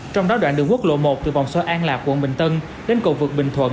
trong đó đoạn đường quốc lộ một từ vòng xoay an lạc quận bình tân đến cầu vượt bình thuận